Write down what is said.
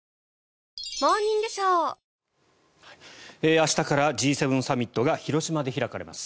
明日からＧ７サミットが広島で開かれます。